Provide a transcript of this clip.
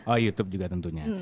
youtube juga tentunya